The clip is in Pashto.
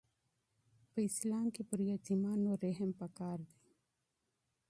په اسلام کي پر یتیمانو رحم پکار دی.